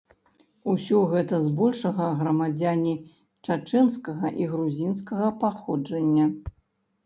Усё гэта збольшага грамадзяне чачэнскага і грузінскага паходжання.